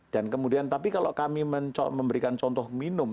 dan kemudian tapi kalau kami memberikan contoh minum